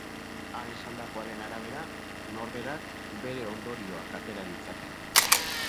Han esandakoaren arabera, norberak bere ondorioak atera ditzake.